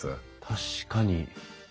確かに。